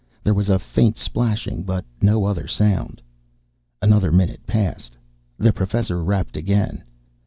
There was a faint splashing, but no other sound. Another minute passed. The Professor rapped again.